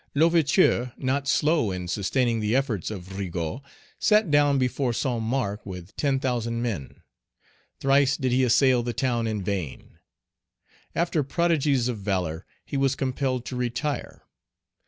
L'Ouverture, not slow in sustaining the efforts of Rigaud, sat down before Saint Marc with ten thousand men. Thrice did Page 85 he assail the town in vain. After prodigies of valor, he was compelled to retire.